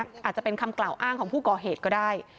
อาจจะเป็นคำกล่าวอ้างของผู้ก่อเหตุก็ได้